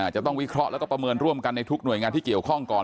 จะต้องวิเคราะห์แล้วก็ประเมินร่วมกันในทุกหน่วยงานที่เกี่ยวข้องก่อน